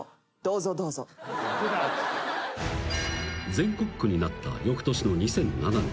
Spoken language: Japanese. ［全国区になったよくとしの２００７年］